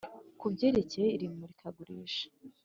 Ku byerekeye iri murikagurisha.